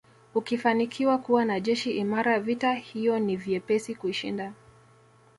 Ukifanikiwa kuwa na jeshi imara vita hiyo ni vyepesi kuishinda